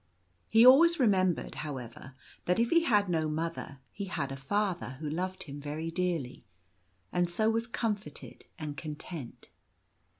He always remembered, however, that if he had no mother he had a father who loved him very dearly, and so was comforted and content.